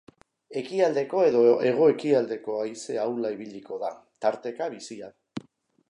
Ekialdeko edo hego-ekialdeko haize ahula ibiliko da, tarteka bizia.